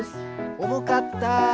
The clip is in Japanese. おもかった。